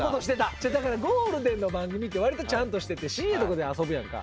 だからゴールデンの番組ってわりとちゃんとしてて深夜のとこで遊ぶやんか。